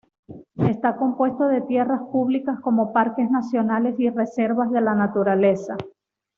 Está compuesto de tierras públicas como parques nacionales y reservas de la naturaleza.